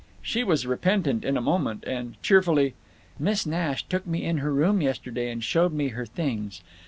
She was repentant in a moment, and, cheerfully: "Miss Nash took me in her room yesterday and showed me her things.